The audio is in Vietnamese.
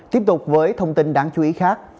tiếp tục với thông tin đáng chú ý khác